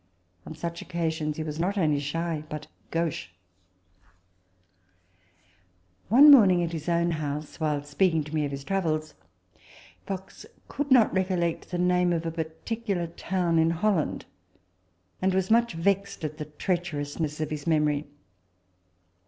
On such occasions he was not only shy, but gauche. One morning at his own house, while speaking to me of his travels, Fox could not recollect the name of a particular town in Holland, and was much vexed at the treacherousness of his memory.